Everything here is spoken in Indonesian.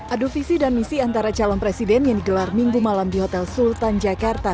adu visi dan misi antara calon presiden yang digelar minggu malam di hotel sultan jakarta